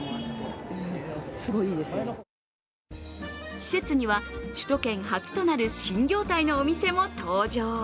施設には首都圏初となる新業態のお店も登場。